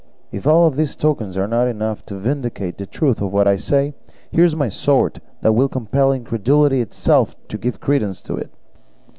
If all these tokens are not enough to vindicate the truth of what I say, here is my sword, that will compel incredulity itself to give credence to it."